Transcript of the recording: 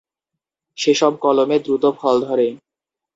সেসব কলমে দ্রুত ফল ধরে।